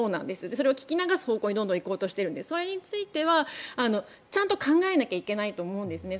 それを聞き流す方向にどんどん行こうとしているのでそれについてはちゃんと考えなきゃいけないと思うんですね。